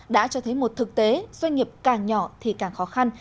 đã cho thấy một thực tế doanh nghiệp càng nhỏ thì càng khó khăn